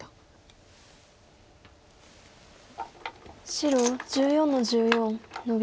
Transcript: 白１４の十四ノビ。